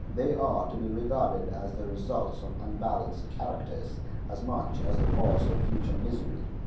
They are to be regarded as the results of unbalanced characters, as much as the cause of future misery.